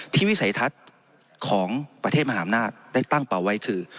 วิสัยทัศน์ของประเทศมหาอำนาจได้ตั้งเป่าไว้คือ